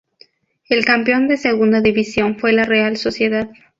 El campeón de Segunda División fue la Real Sociedad.